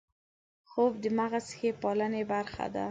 خوب د مغز ښې پالنې برخه ده